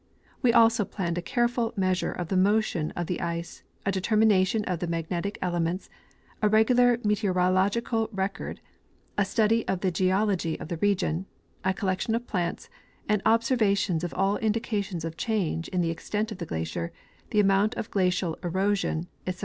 We also planned a careful measure of the motion of the ice,, a determination of the magnetic elements, a regular meteoro logic record, a study of the geology of the region, a collection of plants, and observations of all indications of change in the extent of the glacier, the amount of glacial erosion, etc.